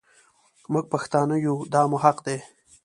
مونږ پښتانه يو دا مو حق دی.